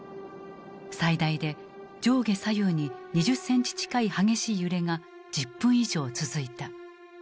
最大で上下左右に２０センチ近い激しい揺れが１０分以上続いた。